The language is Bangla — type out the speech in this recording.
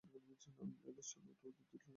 অ্যালেক্স, চলো অন্য অতিথিদের সঙ্গে যোগ দিই।